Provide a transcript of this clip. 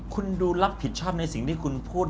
คุณดูรับผิดชอบในสิ่งที่คุณพูด